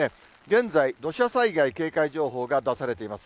現在、土砂災害警戒情報が出されています。